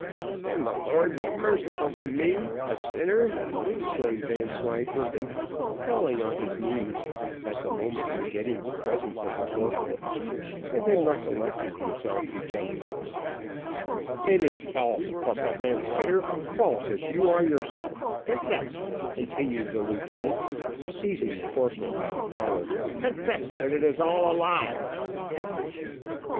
"Then the Lord be merciful to me a sinner!" exclaimed Vanslyperken, falling on his knees, at the moment forgetting the presence of the corporal, and then recollecting himself, he jumped up "It is false, Corporal Van Spitter; false as you are yourself confess," continued the lieutenant, seizing the corporal by the collar, "confess, that it is all a lie."